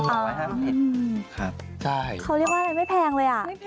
เขาเรียกว่าอะไรไม่แพงเลยอ่ะ